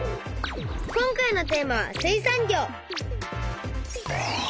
今回のテーマは水産業。